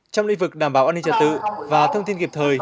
trong lĩnh vực đảm bảo an ninh trật tự và thông tin kịp thời